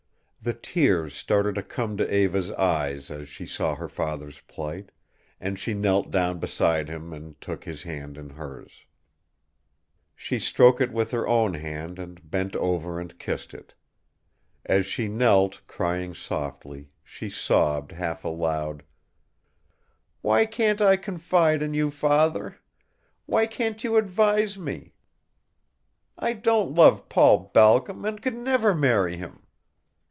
The tears started to come to Eva's eyes as she saw her father's plight, and she knelt down beside him and took his hand in hers. She stroked it with her own hand and bent over and kissed it. As she knelt, crying softly, she sobbed half aloud: "Why can't I confide in you, father? Why can't you advise me? I don't love Paul Balcom and could never marry him.